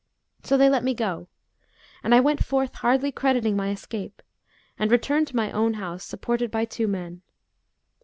So they let me go, and I went forth hardly crediting my escape and returned to my own house, supported by two men.